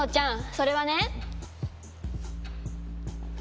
それはね